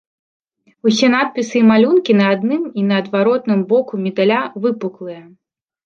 Усе надпісы і малюнкі на адным і на адваротным боку медаля выпуклыя.